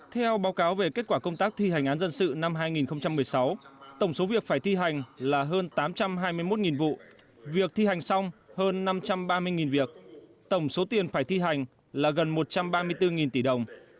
theo báo cáo về kết quả công tác thi hành án dân sự năm hai nghìn một mươi sáu tổng số việc phải thi hành là hơn tám trăm hai mươi một vụ việc thi hành xong hơn năm trăm ba mươi việc tổng số tiền phải thi hành là gần một trăm ba mươi bốn tỷ đồng